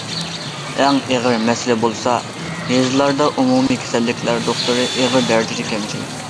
ئەڭ ئېغىر مەسىلە بولسا، يېزىلاردا ئومۇمىي كېسەللىكلەر دوختۇرى ئېغىر دەرىجىدە كەمچىل.